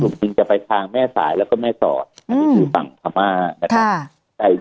คลุมนึงจะไปทางแม่สายแล้วก็แม่สอนนั่นก็คือฝั่งทะมานะครับค่ะ